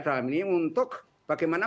dalam ini untuk bagaimana